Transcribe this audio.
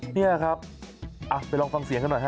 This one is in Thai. เนี่ยครับไปลองฟังเสียงข้างหน่อยฮะ